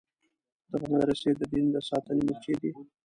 دغه مدرسې د دین د ساتنې مورچې دي.